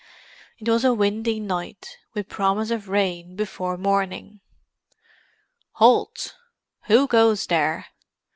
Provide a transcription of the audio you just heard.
It was a windy night, with promise of rain before morning. "Halt! Who goes there?"